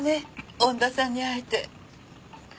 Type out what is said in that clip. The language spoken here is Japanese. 恩田さんに会えて。